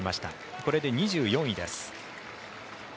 これで２４位です。